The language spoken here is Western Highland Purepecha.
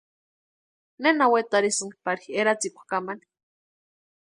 ¿Nena wetarhisïnki pari eratsikwa kamani?